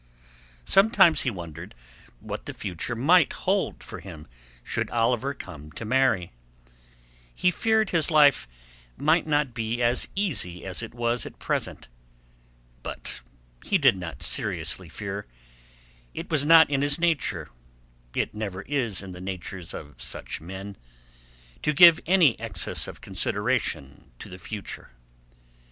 Sometimes he wondered what the future might hold for him should Oliver come to marry. He feared his life might not be as easy as it was at present. But he did not seriously fear. It was not in his nature—it never is in the natures of such men—to give any excess of consideration to the future.